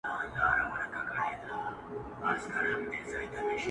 دا نن يې لا سور ټپ دی د امير پر مخ گنډلی.